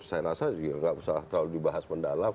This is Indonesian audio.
saya rasa juga nggak usah terlalu dibahas mendalam